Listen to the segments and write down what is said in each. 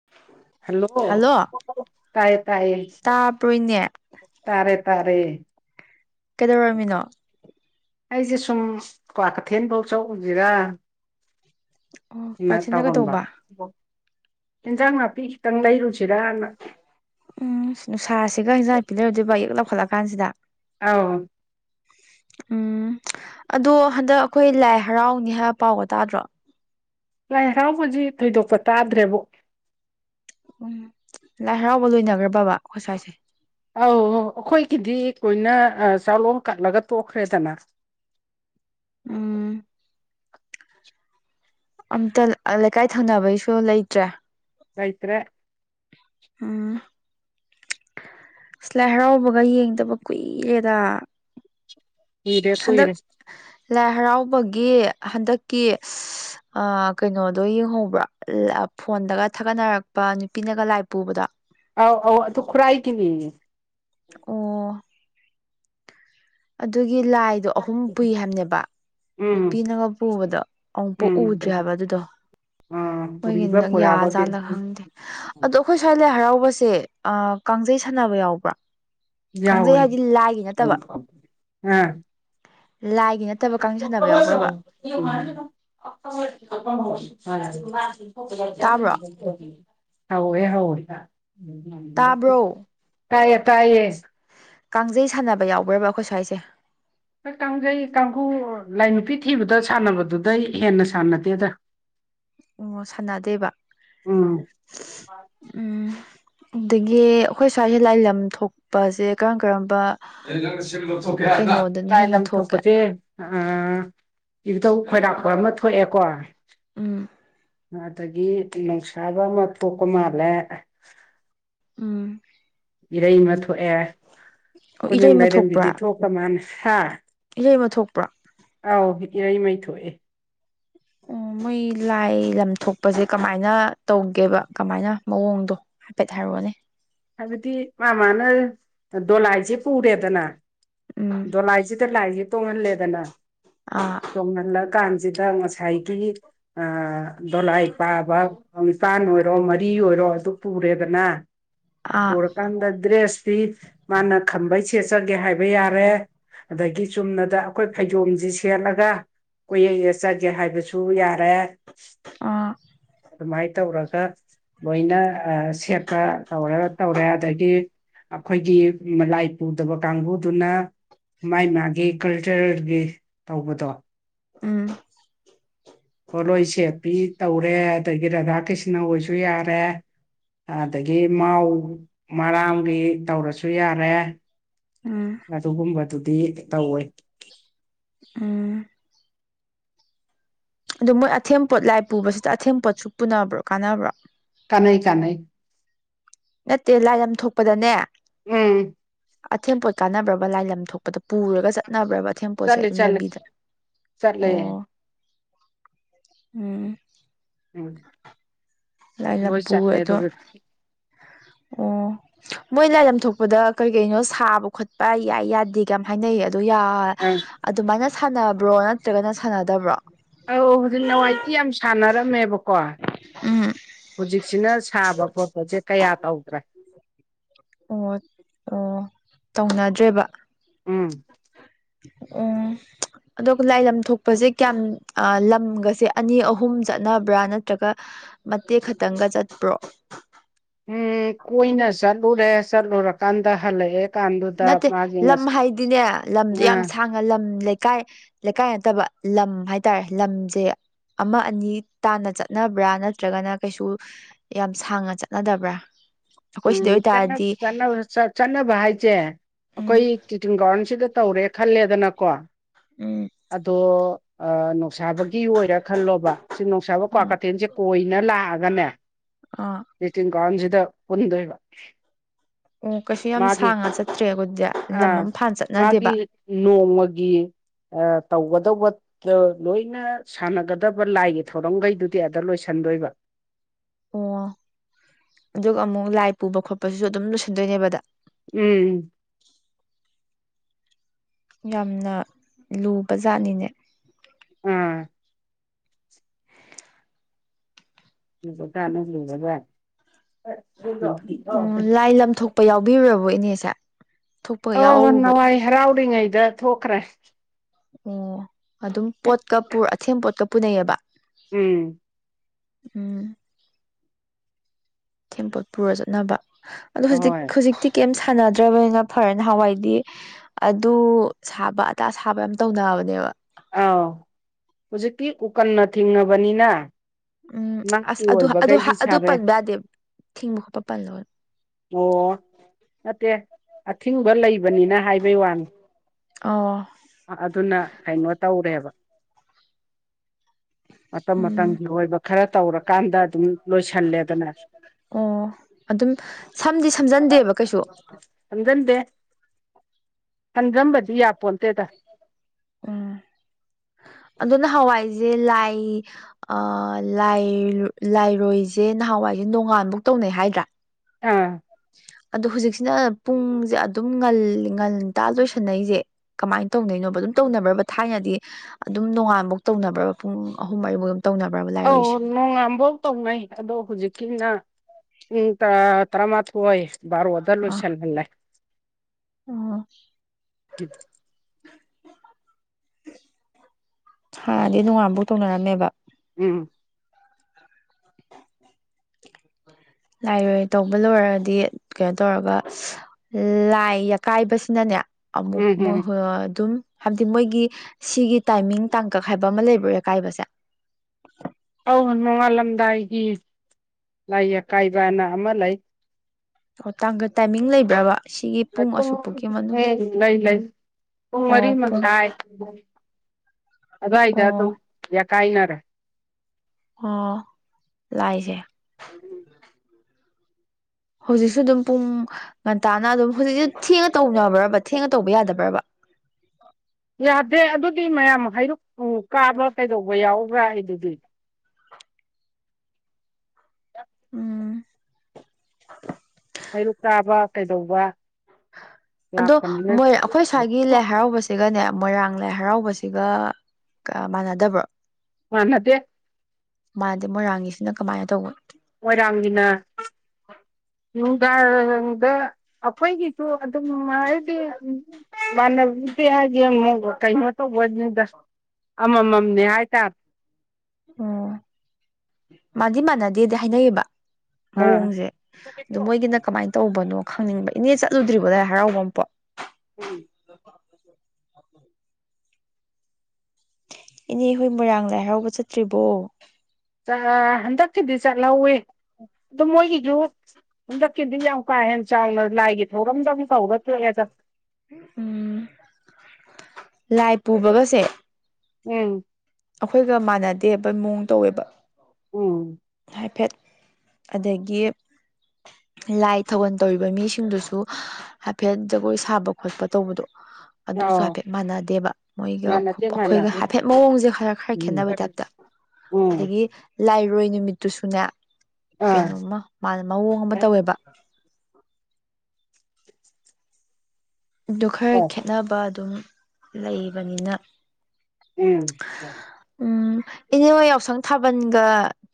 ꯍꯥ ꯍꯜꯂꯣ ꯇꯥꯏ ꯇꯥꯏ ꯇꯥꯕ꯭ꯔꯣꯏꯅꯦ ꯇꯥꯔꯦ ꯇꯥꯔꯦ ꯀꯩꯗꯧꯔꯝꯃꯤꯅꯣ ꯑꯩꯁꯦ ꯁꯨꯝ ꯀ꯭ꯋꯥꯀꯩꯊꯦꯜ ꯐꯧ ꯆꯎꯁꯤꯔ ꯑꯣ ꯄ꯭ꯔꯥꯊꯤꯅ ꯇꯧꯔꯝꯕ ꯀꯩꯗꯧꯕ ꯏꯟꯖꯥꯡ ꯅꯥꯄꯤ ꯈꯤꯇꯪ ꯂꯩꯔꯨꯁꯤꯔꯅ ꯎꯝ ꯅꯨꯡꯁꯥꯁꯤꯒ ꯍꯟꯖꯥꯡ ꯄꯤꯔꯣꯏꯗꯣꯏꯕ ꯌꯦꯛ ꯂꯧꯈꯠꯂ ꯀꯥꯟꯁꯤꯗ ꯑꯥꯎ ꯎꯝ ꯑꯗꯣ ꯍꯟꯗꯛ ꯑꯩꯈꯣꯏ ꯂꯥꯏ ꯍꯔꯥꯎꯅꯤ ꯍꯥꯏꯕ ꯄꯥꯎꯒ ꯇꯥꯗ꯭ꯔꯣ ꯂꯥꯏ ꯍꯔꯥꯎꯕꯁꯤ ꯊꯣꯏꯗꯣꯛꯄ ꯇꯧꯗ꯭ꯔꯦꯕꯣ ꯎꯝ ꯂꯥꯏ ꯍꯔꯥꯎꯕ ꯂꯣꯏꯅꯈ꯭ꯔꯕꯥ ꯁꯥꯏꯁꯦ ꯑꯧ ꯑꯩꯈꯣꯏꯒꯤꯗꯤ ꯀꯣꯏꯅ ꯆꯥꯂꯣꯡꯝ ꯀꯠꯂꯒ ꯇꯣꯛꯈ꯭ꯔꯦꯗꯅ ꯎꯝ ꯑꯝꯇ ꯂꯩꯀꯥꯏ ꯊꯪꯅꯕꯩꯁꯨ ꯂꯩꯇ꯭ꯔꯦ ꯔꯩꯇ꯭ꯔꯦ ꯎꯥꯝ ꯁꯤ ꯂꯥꯏ ꯍꯔꯥꯎꯕꯒ ꯌꯦꯡꯗꯕ ꯀꯨꯏꯔꯦꯗ ꯏꯔꯦ ꯍꯟꯗꯛ ꯀꯨꯏꯔꯦ ꯂꯥꯏ ꯍꯔꯥꯎꯕꯒꯤ ꯍꯟꯗꯛꯀꯤ ꯀꯩꯅꯣꯗꯣ ꯌꯦꯡꯍꯧꯕ꯭ꯔꯥ ꯐꯣꯟꯗꯒ ꯊꯥꯒꯠꯅꯔꯛꯄ ꯅꯨꯄꯤꯅꯒ ꯂꯥꯏ ꯄꯨꯕꯗꯣ ꯑ ꯑ ꯇꯨ ꯈꯨꯔꯥꯏ ꯗꯅꯤ ꯑꯣ ꯑꯗꯨꯒꯤ ꯂꯥꯏꯗꯣ ꯑꯍꯨꯝ ꯄꯨꯏ ꯍꯥꯏꯕꯅꯦꯕ ꯎꯝ ꯅꯨꯄꯤꯅꯒ ꯄꯨꯕꯗꯣ ꯑꯃꯨꯛ ꯄꯨꯛ ꯎꯝ ꯎꯗ꯭ꯔꯤ ꯍꯥꯏꯕ ꯑꯗꯨꯗꯣ ꯑꯥ ꯃꯣꯏꯒꯤ ꯄꯨꯔꯤꯕ ꯄꯨꯔꯥꯕꯒꯤ ꯌꯥꯖꯥꯠꯂꯥ ꯈꯪꯗꯦ ꯑꯗꯣ ꯑꯩꯈꯣꯏ ꯁ꯭ꯋꯥꯏ ꯂꯥꯏ ꯍꯔꯥꯎꯕꯁꯦ ꯀꯥꯡꯖꯩ ꯁꯥꯟꯅꯕ ꯌꯥꯎꯕ꯭ꯔꯣ ꯈꯪꯖꯩ ꯌꯥꯎꯋꯦ ꯍꯥꯏꯗꯤ ꯂꯥꯏꯒꯤ ꯅꯠꯇꯕ ꯑꯥ ꯂꯥꯏ [unintelligible] ꯇꯥꯕ꯭ꯔꯣ [unintelligible] ꯍꯧꯋꯦ ꯍꯧꯋꯦ ꯇꯥꯕ꯭ꯔꯣ ꯇꯥꯏꯌꯦ ꯇꯥꯏꯌꯦ ꯀꯥꯡꯖꯩ ꯁꯥꯟꯅꯕ ꯌꯥꯎꯕ꯭ꯔꯕ ꯑꯩꯈꯣꯏ ꯁ꯭ꯋꯥꯏꯁꯦ ꯀꯥꯡꯖꯩ ꯀꯥꯡꯈꯨ ꯂꯥꯏ ꯅꯨꯄꯤ ꯊꯤꯕꯗ ꯁꯥꯟꯅꯕꯗꯨꯗꯩ ꯍꯦꯟꯅ ꯁꯥꯟꯅꯗꯦꯗ ꯑꯣ ꯁꯥꯟꯅꯥ ꯗꯦꯕ ꯍꯥ ꯎꯝ ꯑꯗꯒꯤ ꯑꯩꯈꯣꯏ ꯁ꯭ꯋꯥꯏꯁꯤ ꯂꯥꯏ ꯂꯝ ꯊꯣꯛꯄꯁꯦ ꯀꯔꯝ ꯀꯔꯝꯕ ꯊꯣꯛꯀꯦ ꯑ ꯀꯩꯅꯣꯗꯅ ꯍꯦꯟꯅ ꯊꯣꯛꯀꯦ ꯏꯙꯧ ꯈꯣꯏꯔꯥꯛꯄ ꯑꯃ ꯊꯣꯛꯑꯦꯀꯣ ꯎꯝ ꯑꯗꯒꯤ ꯅꯨꯡꯁꯥꯕ ꯑꯃ ꯊꯣꯛꯄ ꯃꯥꯜꯂꯦ ꯎꯝ ꯏꯔꯩꯃ ꯊꯣꯛꯑꯦ ꯑꯣ ꯀꯣꯟꯖꯦꯡ ꯏꯔꯩꯃ ꯂꯥꯏꯔꯦꯝꯕꯤꯗꯤ ꯊꯣꯛꯈ꯭ꯔ ꯃꯥꯅꯤ ꯍꯥ ꯏꯁꯩ ꯑꯃ ꯊꯣꯛꯄ꯭ꯔꯥ ꯑꯥꯎ ꯏꯏ ꯃꯩ ꯊꯣꯛꯑꯦ ꯎꯝ ꯃꯣꯏ ꯂꯥꯏ ꯂꯝꯊꯣꯛꯄꯁꯦ ꯀꯃꯥꯏꯅ ꯇꯧꯒꯦꯕ ꯀꯃꯥꯏꯅ ꯃꯑꯣꯡꯗꯣ ꯍꯥꯐꯦꯠ ꯍꯥꯏꯔꯛꯎꯅꯦ ꯍꯥꯏꯕꯗꯤ ꯑꯥꯃꯥꯅ ꯗꯣꯂꯥꯏꯁꯦ ꯄꯨꯔꯦꯗꯅ ꯎꯝ ꯗꯣꯂꯥꯏꯁꯤꯗ ꯂꯥꯏꯁꯦ ꯇꯣꯡꯍꯜꯂꯦꯗꯅ ꯑꯥ ꯇꯣꯡꯍꯜꯂꯀꯥꯟꯁꯤꯗ ꯉꯁꯥꯏꯒꯤ ꯑꯥ ꯗꯣꯂꯥꯏ ꯄꯥꯕ ꯅꯤꯄꯥꯟ ꯑꯣꯏꯔꯣ ꯃꯔꯤ ꯑꯣꯏꯔꯣ ꯑꯗꯨ ꯄꯨꯔꯦꯗꯅ ꯑꯥ ꯄꯨꯔꯀꯥꯟꯗ ꯗ꯭ꯔꯦꯁꯇꯤ ꯃꯥꯅ ꯈꯝꯕꯩ ꯁꯦꯠꯆꯒꯦ ꯍꯥꯏꯕ ꯌꯥꯔꯦ ꯑꯗꯒꯤ ꯆꯨꯝꯅꯗ ꯑꯩꯈꯣꯏ ꯐꯩꯖꯣꯝꯖꯤ ꯁꯦꯠꯂꯒ ꯀꯣꯌꯦꯠ ꯌꯦꯠꯆꯥꯒꯦ ꯍꯥꯏꯕꯁꯨ ꯌꯥꯔꯦ ꯑꯥ ꯑꯗꯨꯃꯥꯏꯅ ꯇꯧꯔꯒ ꯂꯣꯏꯅ ꯁꯦꯠꯄ ꯇꯧꯔ ꯇꯧꯔꯦ ꯑꯗꯒꯤ ꯑꯩꯈꯣꯏꯒꯤ ꯂꯥꯏ ꯄꯨꯗꯕ ꯀꯥꯡꯕꯨꯗꯨꯅ ꯃꯥꯥꯏ ꯃꯥꯒꯤ ꯀꯜꯆꯔꯦꯜꯒꯤ ꯇꯧꯕꯗꯣ ꯎꯝ ꯄꯣꯠꯂꯣꯏ ꯁꯦꯠꯄꯤ ꯇꯧꯔꯦ ꯑꯗꯒꯤ ꯔꯥꯙꯥ ꯀ꯭ꯔꯤꯁꯅ ꯑꯣꯏꯁꯨ ꯌꯥꯔꯦ ꯑꯗꯒꯤ ꯃꯥꯎ ꯃꯔꯥꯝꯒꯤ ꯇꯧꯔꯁꯨ ꯌꯥꯔꯦ ꯎꯝ ꯑꯗꯨꯒꯨꯝꯕꯗꯨꯗꯤ ꯇꯧꯋꯦ ꯎꯝ ꯑꯗꯣ ꯃꯣꯏ ꯑꯊꯦꯝ ꯄꯣꯠ ꯂꯥꯏ ꯄꯨꯕꯁꯤꯗ ꯑꯊꯦꯝ ꯄꯣꯠꯁꯨ ꯄꯨꯅꯕ꯭ꯔꯣ ꯀꯥꯟꯅꯕ꯭ꯔꯣ ꯀꯅꯥꯩ ꯀꯅꯥꯩ ꯅꯠꯇꯦ ꯂꯥꯏ ꯂꯝ ꯊꯣꯛꯄꯗꯅꯦ ꯎꯝ ꯑꯊꯦꯜꯄꯣꯠ ꯀꯥꯟꯅꯕ꯭ꯔꯕꯥ ꯂꯥꯏꯂꯝ ꯊꯣꯛꯄꯗꯣ ꯄꯨꯔꯒ ꯆꯠꯅꯕ꯭ꯔꯕ ꯑꯊꯦꯡꯄꯣꯠꯁꯦ ꯆꯠꯂꯦ ꯑꯗꯨꯝ ꯆꯠꯂꯦ ꯂꯝꯕꯤꯗ ꯆꯠꯂꯦ ꯑꯣ ꯎꯝ ꯎꯝ ꯂꯥꯏ ꯂꯣꯏ ꯂꯝꯄꯨ ꯆꯠꯂꯦ ꯑꯗꯣ ꯑꯗꯨꯒ ꯑꯣ ꯃꯣꯏ ꯂꯥꯏ ꯂꯝꯊꯣꯛꯄꯗ ꯀꯔꯤ ꯀꯩꯅꯣ ꯁꯥꯕ ꯈꯣꯠꯄ ꯌꯥꯏ ꯌꯥꯗꯦꯀ ꯍꯥꯏꯅꯩ ꯑꯗꯣ ꯌꯥꯔ ꯑꯪ ꯑꯗꯨꯃꯥꯏꯅ ꯁꯥꯟꯅꯕ꯭ꯔꯣ ꯅꯠꯇ꯭ꯔꯒꯅ ꯁꯥꯟꯅꯗꯕ꯭ꯔꯣ ꯑꯧ ꯍꯧꯖꯤꯛ ꯅꯍꯥꯟꯋꯥꯏꯗꯤ ꯌꯥꯝ ꯁꯥꯟꯅꯔꯝꯃꯦꯕꯀꯣ ꯍꯧꯖꯤꯛꯁꯤꯅ ꯁꯥꯕ ꯈꯣꯠꯄꯁꯦ ꯀꯌꯥ ꯇꯧꯗ꯭ꯔꯦ ꯑꯣ ꯑꯣ ꯇꯧꯅꯗ꯭ꯔꯦꯕ ꯎꯝ ꯑꯣ ꯑꯗꯨꯒ ꯂꯥꯏ ꯂꯝ ꯊꯣꯛꯄꯁꯦ ꯀꯌꯥꯝ ꯂꯝꯒꯁꯦ ꯑꯅꯤ ꯑꯍꯨꯝ ꯆꯠꯅꯕ꯭ꯔꯥ ꯅꯠꯇ꯭ꯔꯒ ꯃꯇꯦꯛ ꯈꯛꯇꯪꯒ ꯆꯠꯄ꯭ꯔꯣ ꯎꯝ ꯀꯣꯏꯅ ꯆꯠꯂꯨꯔꯦ ꯆꯠꯂꯨꯔꯀꯥꯟꯗ ꯍꯜꯂꯛꯑꯦ ꯀꯥꯟꯗꯨꯗ ꯅꯠꯇꯦ ꯃꯥꯒꯤ ꯂꯝ ꯉꯁ ꯍꯥꯏꯗꯤꯅꯦ ꯂꯝꯗꯣ ꯌꯥꯝ ꯑ ꯁꯥꯡ ꯂꯝ ꯂꯩꯀꯥꯏ ꯂꯩꯀꯥꯏ ꯅꯠꯇꯕ ꯂꯝ ꯍꯥꯏꯇꯥꯔꯦ ꯂꯝꯁꯦ ꯑꯃꯥ ꯑꯅꯤ ꯇꯥꯟꯅ ꯆꯠꯅꯕ꯭ꯔꯥ ꯅꯠꯇ꯭ꯔꯒꯅ ꯀꯩꯁꯨ ꯌꯥꯝ ꯁꯥꯡꯅ ꯆꯠꯅꯗꯕ꯭ꯔꯥ ꯑꯩꯈꯣꯏ ꯁꯤꯗ ꯎꯝ ꯑꯣꯏꯇꯥꯔꯗꯤ ꯆꯠꯅꯕ ꯍꯥꯏꯁꯦ ꯑꯩꯈꯣꯏ ꯎꯝ ꯇꯤꯗꯤꯝ ꯒꯔꯥꯎꯟꯁꯤꯗ ꯇꯧꯔꯦ ꯈꯜꯂꯦꯗꯅꯀꯣ ꯎꯝ ꯑꯗꯣ ꯑ ꯅꯨꯡꯁꯥꯕ ꯑꯣꯏꯔꯥ ꯈꯜꯂꯣꯕ ꯁꯤ ꯅꯨꯡꯁꯥꯕ ꯀ꯭ꯋꯥ ꯀꯩꯊꯦꯜꯁꯦ ꯀꯣꯏꯅ ꯂꯥꯛꯑꯒꯅꯦ ꯑꯥ ꯇꯤꯙꯤꯝ ꯒꯔꯥꯎꯟꯁꯤꯗ ꯄꯨꯟꯗꯣꯏꯕ ꯑꯣ ꯀꯩꯁꯨ ꯌꯥꯝ ꯃꯥꯒꯤ ꯁꯥꯡꯅ ꯆꯠꯇ꯭ꯔꯦ ꯑꯗꯨꯗꯤ ꯂꯝ ꯑꯥ ꯑꯃꯐꯥꯟꯅ ꯆꯠꯅꯗꯦꯕ ꯃꯥꯒꯤ ꯅꯣꯡꯃꯒꯤ ꯑꯥ ꯇꯧꯒꯗꯧꯕ ꯂꯣꯏꯅ ꯁꯥꯟꯅꯒꯗꯕ ꯂꯥꯏꯒꯤ ꯊꯧꯔꯝꯈꯩꯗꯨꯗꯤ ꯑꯗ ꯂꯣꯏꯁꯟꯗꯣꯏꯕ ꯑꯣ ꯑꯗꯨꯒ ꯑꯃꯨꯛ ꯂꯥꯏ ꯄꯨꯕ ꯈꯣꯠꯄꯗꯨꯁꯨ ꯑꯗꯨꯝ ꯂꯣꯏꯁꯤꯟꯗꯣꯏꯅꯦꯕꯗ ꯎꯝ ꯌꯥꯝꯅ ꯂꯨꯕ ꯖꯥꯠꯅꯤꯅꯦ ꯑꯥ ꯎꯝ [unintelligible] ꯂꯥꯏ ꯂꯝꯊꯣꯛ ꯄ ꯌꯥꯎꯕꯤꯔꯨꯔꯕꯣ ꯏꯅꯦꯁꯦ ꯊꯣꯛꯄꯒ ꯑꯥꯎ ꯌꯥꯎꯔꯨꯕ ꯅꯋꯥꯏ ꯍꯔꯥꯎꯔꯤꯉꯩꯗ ꯊꯣꯛꯈ꯭ꯔꯦ ꯑꯣ ꯑꯗꯨꯝ ꯄꯣꯠꯀ ꯄꯨꯔ ꯑꯊꯦꯝ ꯄꯣꯠꯀ ꯄꯨꯅꯩꯑꯦꯕ ꯎꯝ ꯎꯝ ꯑꯊꯦꯟꯄꯣꯠ ꯄꯨꯔ ꯆꯠꯅꯕ ꯑꯗꯣ ꯍꯧꯖꯤꯛ ꯑꯍꯣꯏ ꯍꯧꯖꯤꯛꯇꯤ ꯀꯩꯝ ꯁꯥꯟꯅꯗ꯭ꯔꯕꯅꯤꯅ ꯐꯔꯦꯟ ꯅꯍꯋꯥꯏꯗꯤ ꯑꯗꯨ ꯁꯥꯕ ꯑꯗꯥ ꯁꯥꯕ ꯌꯥꯝ ꯇꯧꯅꯕꯅꯦꯕ ꯑꯥꯎ ꯍꯧꯖꯤꯛꯇꯤ ꯀꯨꯀꯟꯅ ꯊꯤꯡꯉꯕꯅꯤꯅ ꯎꯝ ꯑꯁ ꯅꯥꯛꯀꯤ ꯑꯗꯨ ꯑꯗꯨ ꯑꯣꯏꯕꯈꯩꯗꯤ ꯍꯥꯢ ꯁꯥꯕ ꯄꯟꯕ ꯌꯥꯗꯦꯕ ꯊꯤꯡꯕ ꯈꯣꯠꯄ ꯄꯜꯂꯣꯅꯨ ꯑꯣ ꯅꯠꯇꯦ ꯑꯊꯤꯡꯕ ꯂꯩꯕꯅꯤꯅ ꯍꯥꯏꯕꯩ ꯋꯥꯅꯤ ꯑꯣ ꯑꯗꯨꯅ ꯀꯩꯅꯣ ꯇꯧꯔꯦꯕ ꯃꯇꯝ ꯎꯝ ꯃꯇꯝꯒꯤ ꯑꯣꯏꯕ ꯈꯔ ꯇꯧꯔꯀꯥꯟꯗ ꯑꯗꯨꯝ ꯂꯣꯏꯁꯜꯂꯦꯗꯅ ꯑꯣ ꯑꯗꯨꯝ ꯁꯝꯗꯤ ꯁꯝꯖꯟꯗꯦꯕ ꯀꯩꯁꯨ ꯁꯝꯖꯟꯗꯦ ꯁꯝꯖꯟꯕꯗꯤ ꯌꯥꯄꯣꯟꯇꯦꯗ ꯎꯝ ꯑꯗꯨ ꯅꯍꯋꯥꯏꯁꯦ ꯂꯥꯏ ꯑꯥ ꯂꯥꯏꯔꯣꯏꯁꯦ ꯅꯍꯥꯟꯋꯥꯏꯁꯦ ꯅꯣꯡꯉꯥꯟꯐꯧ ꯇꯧꯅꯩ ꯍꯥꯏꯗ꯭ꯔꯥ ꯑꯥ ꯑꯗꯣ ꯍꯧꯖꯤꯛꯁꯤꯅ ꯄꯨꯡꯁꯦ ꯑꯗꯨꯝ ꯉꯜꯂꯤ ꯉꯇꯥꯥ ꯂꯣꯏꯁꯟꯅꯩꯁꯦ ꯀꯃꯥꯏꯅ ꯇꯧꯅꯩꯅꯣꯕ ꯑꯗꯨꯝ ꯇꯧꯅꯕ꯭ꯔꯕ ꯊꯥꯏꯅꯗꯤ ꯑꯗꯨꯝ ꯅꯣꯡꯉꯥꯟꯕꯥꯎ ꯇꯧꯅꯕ꯭ꯔꯕ ꯄꯨꯡ ꯑꯍꯨꯝ ꯃꯔꯤꯐꯥꯎ ꯑꯗꯨꯝ ꯇꯧꯅꯕ꯭ꯔꯕ ꯂꯥꯏꯔꯣꯏꯁꯦ ꯅꯣꯡꯉꯥꯐꯧ ꯇꯧꯅꯩ ꯑꯗꯣ ꯍꯧꯖꯤꯛꯀꯤꯅ ꯄꯨꯡ ꯇꯔꯥ ꯇꯕꯃꯥꯊꯣꯏ ꯕꯔꯣꯗ ꯂꯣꯢꯁꯟꯍꯟꯂꯦ ꯑ ꯍꯥꯟꯗꯤ ꯅꯣꯡꯉꯟꯕꯧ ꯇꯧꯅꯔꯝꯃꯦꯕ ꯎꯝ ꯂꯥꯏꯔꯣꯏ ꯇꯧꯕ ꯂꯣꯏꯔꯒꯗꯤ ꯀꯩꯅꯣ ꯇꯧꯔꯒ ꯂꯥꯏ ꯌꯥꯀꯥꯏꯕꯁꯤꯅꯅꯦ ꯎꯝ ꯎꯝ ꯑꯃꯨꯛ ꯑꯗꯨꯝ ꯍꯥꯏꯕꯗꯤ ꯃꯣꯏꯒꯤ ꯁꯤꯒꯤ ꯇꯥꯏꯃꯤꯡ ꯇꯥꯡꯀꯛ ꯍꯥꯏꯕ ꯑꯃ ꯂꯩꯕ꯭ꯔꯣ ꯌꯀꯥꯏꯕꯁꯦ ꯑꯧ ꯅꯣꯡꯉꯥꯜꯂꯝꯗꯥꯏꯒꯤ ꯂꯥꯏ ꯑꯀꯥꯏꯕꯅ ꯑꯃ ꯂꯩ ꯑꯣ ꯇꯥꯡꯒ ꯇꯥꯏꯃꯤꯡ ꯂꯩꯕ꯭ꯔꯕ ꯁꯤꯒꯤ ꯄꯨꯡ ꯑꯁꯨꯛ ꯄꯨꯛꯀꯤ ꯃꯅꯨꯡ ꯂꯩ ꯂꯩ ꯄꯨꯡ ꯃꯔꯤ ꯑꯣ ꯄꯨꯡ ꯃꯈꯥꯢ ꯑꯗꯨꯋꯥꯏꯗ ꯑꯗꯨꯝ ꯑꯣ ꯌꯥꯀꯥꯏꯅꯔꯦ ꯑꯣ ꯂꯥꯏꯁꯦ ꯍꯧꯖꯤꯛꯁꯨ ꯑꯗꯨꯝ ꯄꯨꯡ ꯉꯟꯇꯥꯅ ꯑꯗꯨꯝ ꯍꯧꯖꯤꯛꯁꯨ ꯊꯦꯡꯉ ꯇꯧꯅꯕ꯭ꯔꯕ ꯊꯦꯡꯉ ꯇꯧꯕ ꯌꯥꯗꯕ꯭ꯔꯕ ꯌꯥꯗꯦ ꯑꯗꯨꯗꯤ ꯃꯌꯥꯝ ꯍꯩꯔꯨꯛ ꯀꯥꯕ꯭ꯔꯥ ꯀꯩꯗꯧꯕ ꯌꯥꯎꯕ꯭ꯔꯥ ꯑꯗꯨꯗꯤ ꯎꯝ ꯍꯩꯔꯨꯛ ꯀꯕ ꯀꯩꯗꯧꯕ ꯑꯗꯣ ꯂꯥꯛꯄꯅꯤꯅ ꯃꯣꯏ ꯑꯩꯈꯣꯏ ꯁ꯭ꯋꯥꯏꯒꯤ ꯂꯥꯏ ꯍꯔꯥꯎꯕꯁꯦ ꯁꯤꯒꯅꯦ ꯃꯣꯏꯔꯥꯡ ꯂꯥꯏ ꯍꯔꯥꯎꯕꯁꯤꯒ ꯃꯥꯟꯅꯗꯕ꯭ꯔꯣ ꯃꯥꯥꯟꯅꯗꯦ ꯃꯥꯗꯤ ꯃꯣꯏꯔꯥꯡꯒꯤꯁꯤꯅ ꯀꯃꯥꯏꯅ ꯇꯧꯕꯅꯣ ꯃꯣꯏꯔꯥꯡꯒꯤꯅ ꯅꯨꯡꯗꯥꯡꯗ ꯑꯩꯈꯣꯏꯒꯤꯁꯨ ꯑꯗꯨꯝ ꯍꯥꯏꯗꯤ ꯃꯥꯅꯦꯗꯦ ꯍꯥꯢꯁꯦ ꯀꯩꯅꯣ ꯇꯧꯕꯩꯅꯤꯗ ꯑꯃꯃꯝꯅꯦ ꯍꯥꯏꯇꯥꯔꯦ ꯑꯣ ꯃꯥꯟꯗꯤ ꯃꯥꯟꯅꯗꯦꯗꯤ ꯍꯥꯏꯅꯩꯌꯦꯕ ꯑꯥ ꯃꯑꯣꯡꯁꯦ ꯑꯗꯨ ꯃꯣꯏꯒꯤꯅ ꯀꯃꯥꯏꯅ ꯇꯧꯕꯅꯣ ꯈꯪꯅꯤꯡꯕ ꯏꯅꯦ ꯆꯠꯂꯨꯗ꯭ꯔꯤꯕꯣ ꯂꯥꯏ ꯍꯔꯥꯎꯕ ꯑꯃ ꯄꯣ ꯎꯝ ꯏꯅꯦ ꯍꯣꯏ ꯃꯣꯏꯔꯥꯡ ꯂꯥꯏ ꯍꯔꯥꯎꯕ ꯆꯠꯇ꯭ꯔꯤꯕꯣ ꯍꯟꯗꯛꯀꯤꯗꯤ ꯆꯠꯍꯧꯋꯤ ꯑꯗꯨ ꯃꯣꯏꯒꯤꯁꯨ ꯍꯟꯗꯛꯀꯤꯗꯤ ꯌꯥꯝ ꯀꯥꯍꯦꯟꯅ ꯆꯥꯎꯅ ꯂꯥꯏꯒꯤ ꯊꯧꯔꯝꯗ ꯑꯃ ꯀꯧꯔꯛꯇ꯭ꯔꯦ ꯎꯝ ꯂꯥꯏ ꯄꯨꯕꯒꯁꯦ ꯎꯝ ꯑꯩꯈꯣꯏꯒ ꯃꯥꯟꯅꯗꯦ ꯍꯥꯏꯕ ꯃꯑꯣꯡ ꯇꯧꯋꯦꯕ ꯎꯝ ꯍꯥꯏꯐꯦꯠ ꯑꯗꯒꯤ ꯂꯥꯏ ꯊꯧꯒꯜ ꯇꯧꯔꯤꯕ ꯃꯤꯁꯤꯡꯗꯨꯁꯨ ꯍꯥꯏꯐꯦꯠ ꯖꯒꯣꯏ ꯁꯥꯕ ꯈꯣꯠꯄ ꯇꯧꯕꯗꯣ ꯑꯗꯨꯁꯨ ꯑꯧ ꯍꯥꯏꯐꯦꯠ ꯃꯥꯟꯅꯗꯦꯕ ꯃꯣꯏꯒ ꯃꯥꯟꯅꯗꯦ ꯑꯩꯈꯣꯏꯒ ꯃꯥꯟꯅꯗꯦ ꯍꯥꯏꯐꯦꯠ ꯃꯑꯣꯡꯁꯦ ꯈꯔ ꯈꯔ ꯎꯝ ꯈꯦꯠꯅꯕꯩ ꯇꯥꯏꯞꯇ ꯎꯝ ꯑꯗꯒꯤ ꯂꯥꯏꯔꯣꯏ ꯅꯨꯃꯤꯠꯇꯨꯁꯨꯅꯦ ꯑꯥ ꯀꯩꯅꯣꯝꯃ ꯃꯥꯅ ꯃꯑꯣꯡ ꯑꯃ ꯇꯧꯋꯦꯕ ꯑꯗꯨ ꯈꯔ ꯈꯦꯠꯅꯕ ꯑꯗꯨꯝ ꯂꯩꯕꯅꯤꯅ ꯎꯝ ꯎꯝ ꯏꯅꯦꯃ ꯌꯥꯎꯁꯪ ꯊꯥꯕꯜꯒ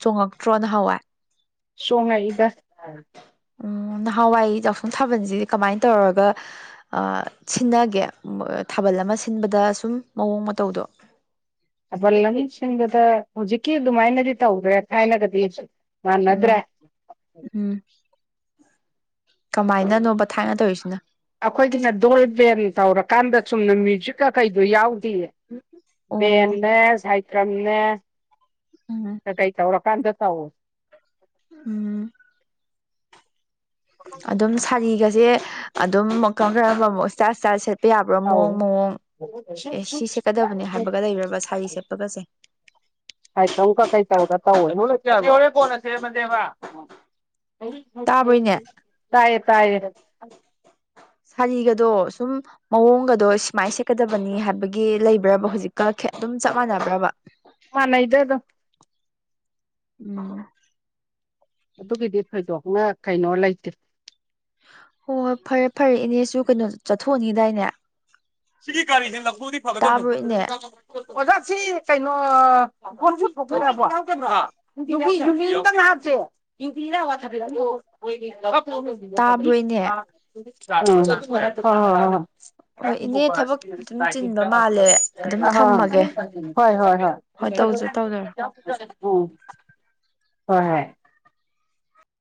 ꯆꯣꯡꯉꯛꯇ꯭ꯔꯣꯅ ꯍꯋꯦ ꯁꯣꯉ ꯏꯒ ꯎꯝ ꯅꯍꯥꯟꯋꯥꯏ ꯌꯥꯎꯁꯪ ꯁꯥꯕꯜꯁꯤꯗꯤ ꯀꯃꯥꯏꯅ ꯇꯧꯔꯒ ꯁꯤꯟꯅꯒꯦ ꯊꯥꯕꯜ ꯑꯃ ꯁꯤꯟꯕꯗ ꯁꯨꯝ ꯃꯑꯣꯡ ꯃꯇꯧꯗꯣ ꯑꯕꯜ ꯂꯝꯕꯤꯁꯤꯡꯗꯨꯗ ꯍꯧꯖꯤꯛꯀꯤ ꯑꯗꯨꯃꯥꯏꯅꯗꯤ ꯇꯧꯗ꯭ꯔꯦ ꯊꯥꯏꯅꯒꯗꯤ ꯃꯥꯟꯅꯗ꯭ꯔꯦ ꯎꯝ ꯎꯝ ꯀꯃꯥꯏꯅꯅꯣꯃ ꯊꯥꯏꯅ ꯇꯧꯔꯤꯁꯤꯅ ꯑꯩꯈꯣꯏꯒꯤꯅ ꯗꯣꯜ ꯕꯦꯟ ꯇꯧꯔꯀꯥꯟꯗ ꯆꯨꯝꯅ ꯃ꯭ꯌꯨꯖꯤꯛꯀ ꯀꯩꯗꯣ ꯌꯥꯎ ꯑꯣ ꯕꯦꯟꯅꯦ ꯁꯥꯏꯀ꯭ꯔꯝꯅꯦ ꯎꯝ ꯀꯩ ꯇꯧꯔꯣ ꯀꯥꯟꯗ ꯇꯣ ꯎꯝ ꯑꯗꯨꯝ ꯁꯥꯔꯤꯒꯁꯦ ꯑꯗꯨꯝ ꯑꯃꯨꯛ ꯀꯔꯝ ꯀꯔꯝꯕ ꯑꯃꯨꯛ ꯏꯁꯇꯥꯏꯜ ꯏꯁꯇꯥꯏꯜ ꯁꯦꯠ ꯁꯦꯠꯄ ꯌꯥꯕ꯭ꯔꯥ ꯃꯑꯣꯡ ꯇꯧ ꯃꯑꯣꯡ ꯑꯦ ꯁꯤ ꯁꯦꯠꯀꯗꯕꯅꯦ ꯍꯥꯏꯕꯒ ꯂꯩꯔꯕ ꯁꯥꯔꯤ ꯁꯦꯠꯄꯒꯁꯦ [unintelligible] ꯇꯥꯕ꯭ꯔꯣ ꯏꯅꯦ ꯇꯥꯏꯌꯦ ꯇꯥꯏꯌꯦ ꯁꯥꯔꯤꯒꯗꯣ ꯁꯨꯝ ꯃꯑꯣꯡꯒꯗꯣ ꯁꯨꯃꯥꯏꯅ ꯁꯦꯠꯀꯗꯕꯅꯤ ꯍꯥꯏꯕꯒꯤ ꯂꯩꯕ꯭ꯔꯕ ꯍꯧꯖꯤꯛꯀ ꯑꯗꯨꯝ ꯆꯞ ꯃꯥꯟꯅꯕ꯭ꯔꯕ ꯃꯅꯦ ꯏꯗ ꯑꯗꯨ ꯎ ꯑꯗꯨꯒꯤꯗꯤ ꯐꯣꯏꯗꯣꯛꯅ ꯀꯩꯅꯣ ꯂꯩꯇꯦ ꯍꯣꯏ ꯍꯣꯏ ꯐꯔꯦ ꯐꯔꯦ ꯏꯅꯦꯁꯨ ꯀꯩꯅꯣ ꯆꯠꯊꯣꯛꯑꯅꯤꯗꯥꯏꯅꯦ ꯁꯤꯒꯤ ꯒꯥꯔꯤꯁꯦ ꯅꯐꯗꯤ ꯇꯥꯕ꯭ꯔꯣ ꯐꯒꯗꯕꯅꯤꯣ ꯏꯅꯦ ꯑꯣꯖꯥꯁꯤ ꯀꯩꯅꯣ [unintelligible] ꯍꯞꯁꯦ ꯏ ꯏꯔ ꯋꯥ ꯊꯗ [unintelligible] ꯍꯣꯏ ꯇꯥꯕ꯭ꯔꯣ ꯏꯅꯦ ꯍꯣꯏ ꯍ ꯏꯅꯦ ꯍꯣꯏ ꯊꯕꯛ ꯑꯗꯨꯝ ꯆꯤꯟꯕ ꯃꯥꯜꯂꯦ ꯑꯗꯨꯝ ꯊꯝꯃꯒꯦ ꯍꯣꯏ ꯍꯣꯏ ꯇꯧꯖ ꯇꯧꯖꯔꯣ ꯎ ꯍꯣꯏ ꯍꯣꯏ